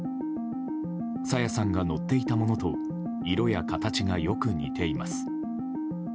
朝芽さんが乗っていたものと色や形がよく似ています。